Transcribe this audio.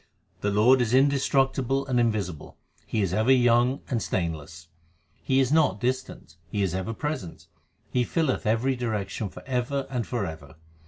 The Lord is indestructible and invisible ; He is ever young and stainless. He is not distant ; He is ever present ; He filleth every direction for ever and for ever.